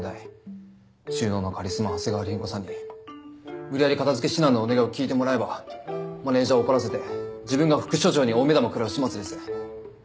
収納のカリスマ長谷川凛子さんに無理やり片づけ指南のお願いを聞いてもらえばマネージャーを怒らせて自分が副署長に大目玉食らう始末です。